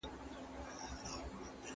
لنډي کیسې د انسان فکر خلاصوي.